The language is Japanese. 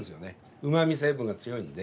うま味成分が強いんで。